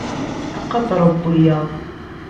Aqader n wiyaḍ.